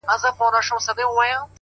سرکښي نه کوم نور خلاص زما له جنجاله یې ـ